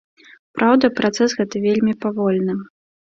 Праўда, працэс гэты вельмі павольны.